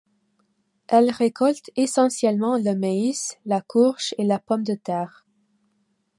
Elles récoltent essentiellement le maïs, la courge et la pomme de terre.